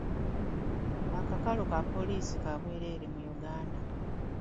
Akakalu ka poliisi ka bwereere mu Uganda.